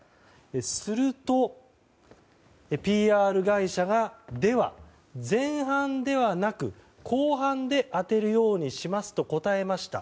するとＰＲ会社がでは、前半ではなく後半で当てるようにしますと答えました。